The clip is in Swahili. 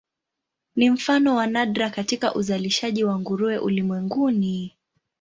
Ni mfano wa nadra katika uzalishaji wa nguruwe ulimwenguni.